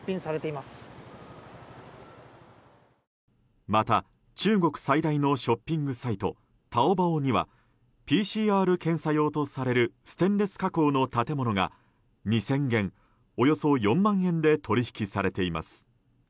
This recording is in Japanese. また中国最大のショッピングサイトタオバオにはＰＣＲ検査用とされるステンレス加工の建物が２０００元およそ４万円で取引されています。